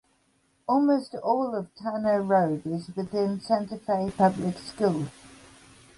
Almost all of Tano Road is within Santa Fe Public Schools.